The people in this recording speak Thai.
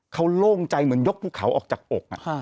เขาโล่งใจเหมือนยกภูเขาออกจากอก